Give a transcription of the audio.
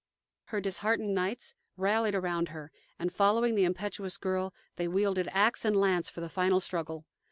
Her disheartened knights rallied around her, and, following the impetuous girl, they wielded axe and lance for the final struggle.